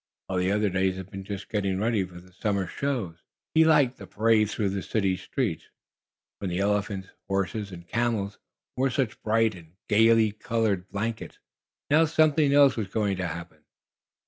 All the other days had been just getting ready for the summer shows. He had liked the parade through the city streets, when the elephants, horses, and camels wore such bright and gaily colored blankets. Now something else was going to happen.